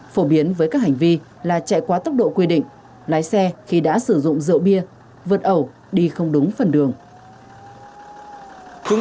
phổ biến với các hành vi là chạy quá tốc độ quy định lái xe khi đã sử dụng rượu bia vượt ẩu đi không đúng phần đường